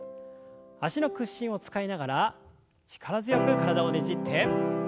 脚の屈伸を使いながら力強く体をねじって。